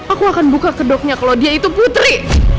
aku akan buka kedoknya kalau dia itu putri